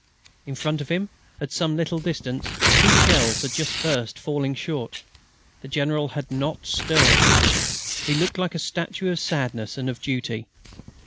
In front of him, at some little distance, two shells had just burst, falling short. The General had not stirred. He looked like a statue of sadness and of duty.